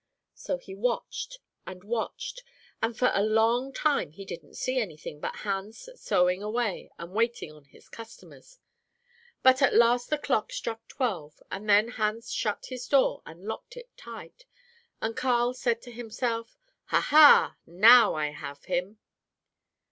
"So he watched and watched, and for a long time he didn't see any thing but Hans sewing away and waiting on his customers. But at last the clock struck twelve, and then Hans shut his door and locked it tight, and Carl said to himself, 'Ha, ha, now I have him!'